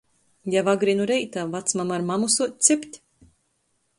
Jau agri nu reita vacmama ar mamu suoc cept.